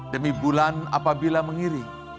demi bulan apabila mengiring